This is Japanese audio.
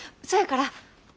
そやから。